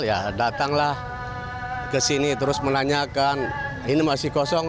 ya datanglah ke sini terus menanyakan ini masih kosong